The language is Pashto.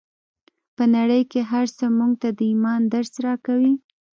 په نړۍ کې هر څه موږ ته د ایمان درس راکوي